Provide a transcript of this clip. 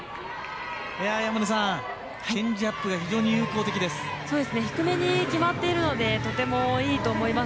チェンジアップが非常に有効的です。